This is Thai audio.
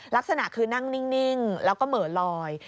ลักษณะคือนั่งนิ่งแล้วก็เหมือนลอย